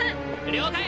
了解！